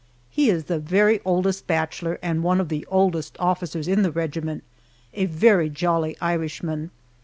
He is the very oldest bachelor and one of the oldest officers in the regiment a very jolly Irishman.